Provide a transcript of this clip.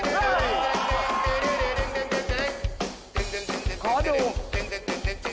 เบลอเลยได้หรืออ้าวขอดู